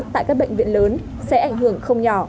tại các bệnh viện lớn sẽ ảnh hưởng không nhỏ